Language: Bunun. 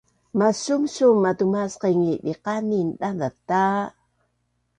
masumsum matumasqing i diqanin daza ta